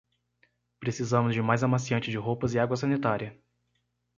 Precisamos de mais amaciante de roupas e água sanitária